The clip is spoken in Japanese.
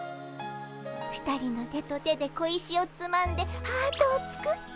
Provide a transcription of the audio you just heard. ２人の手と手で小石をつまんでハートを作って。